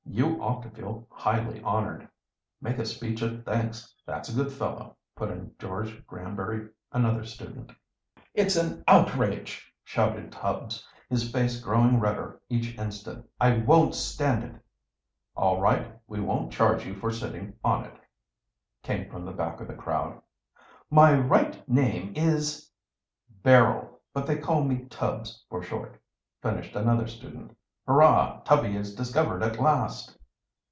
You ought to feel highly honored." "Make a speech of thanks, that's a good fellow," put in George Granbury, another student. "It's an outrage!" shouted Tubbs, his face growing redder each instant. "I won't stand it." "All right, we won't charge you for sitting on it," came from the back of the crowd. "My right name is " "Barrel, but they call me Tubbs for short," finished another student. "Hurrah, Tubby is discovered at last."